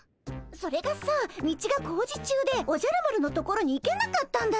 それがさ道が工事中でおじゃる丸の所に行けなかったんだよ。